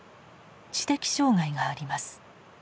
知的障害があります。